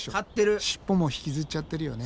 尻尾も引きずっちゃってるよね。